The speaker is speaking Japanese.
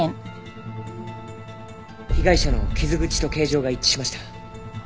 被害者の傷口と形状が一致しました。